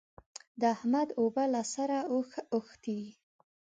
د احمد اوبه له سره اوښتې دي.